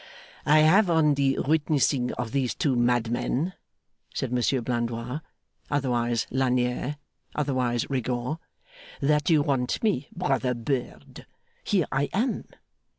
'I have it on the witnessing of these two madmen,' said Monsieur Blandois, otherwise Lagnier, otherwise Rigaud, 'that you want me, brother bird. Here I am!